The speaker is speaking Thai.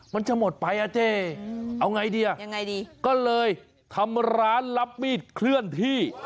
มันจะหมดไปอ่ะเจ๊เอาไงดีอ่ะยังไงดีก็เลยทำร้านรับมีดเคลื่อนที่